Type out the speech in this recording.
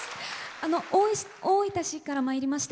大分市からまいりました